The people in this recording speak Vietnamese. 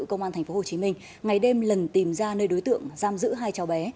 công an tp hcm ngày đêm lần tìm ra nơi đối tượng giam giữ hai cháu bé